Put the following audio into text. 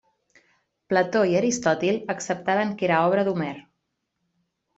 Plató i Aristòtil acceptaven que era obra d'Homer.